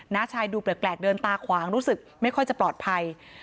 ้าชายดูแปลกเดินตาขวางรู้สึกไม่ค่อยจะปลอดภัย